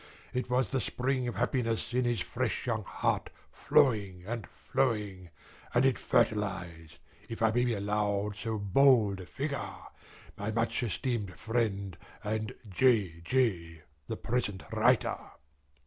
It was the spring of happiness in his fresh young heart flowing and flowing, and it fertilised (if I may be allowed so bold a figure) my much esteemed friend, and J. J. the present writer.